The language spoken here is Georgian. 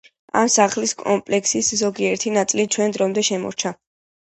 ამ სასახლის კომპლექსის ზოგიერთი ნაწილი ჩვენ დრომდე შემორჩა.